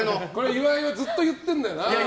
岩井がずっと言ってるんだよな。